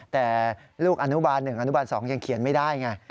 แต่ลูกอนุบาล๑อนุบาล๒ยังเขียนไม่ได้ไง